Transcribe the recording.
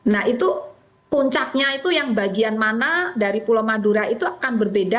nah itu puncaknya itu yang bagian mana dari pulau madura itu akan berbeda